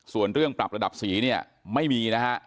ส่วนเรื่องปรับระดับสีเนี่ยไม่มีนะฮะ